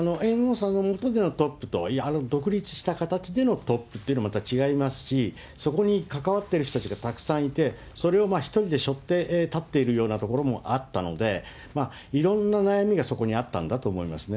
猿翁さんのもとでのトップと、独立した形でのトップというのもまた違いますし、そこに関わっている人たちがたくさんいて、それを１人でしょって立っているようなところもあったので、いろんな悩みがそこにあったんだと思いますね。